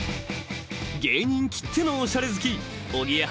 ［芸人きってのおしゃれ好き］え！